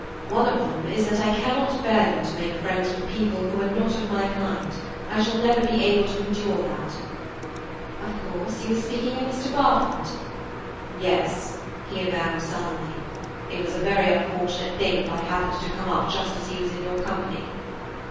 One of them is that I cannot bear you to make friends with people who are not of my kind. I shall never be able to endure that." "Of course you are speaking of Mr. Barfoot." "Yes," he avowed sullenly. "It was a very unfortunate thing that I happened to come up just as he was in your company."